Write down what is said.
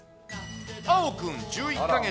あおくん１１か月。